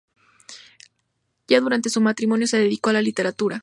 Ya durante su matrimonio se dedicó a la literatura.